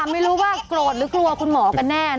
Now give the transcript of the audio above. ไม่รู้ว่ากรวดหรือกลัวขวนหมอก็แน่